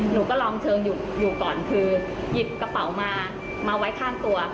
หนูก็ลองเชิงอยู่ก่อนคือหยิบกระเป๋ามามาไว้ข้างตัว